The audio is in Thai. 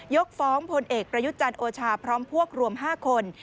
ยกฟ้องพลเอกประยุทธ์จันทร์โอชาพร้อมพวกรวม๕คน